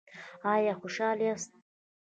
ایا خوشحاله یاست؟